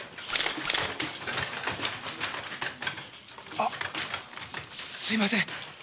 あっすいません。